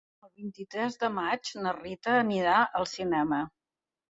El vint-i-tres de maig na Rita anirà al cinema.